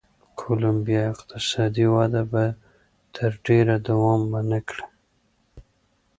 کولمبیا اقتصادي وده به تر ډېره دوام و نه کړي.